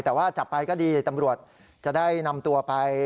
แต่ว่าจับไปก็ดีตำรวจจะได้นำตัวไป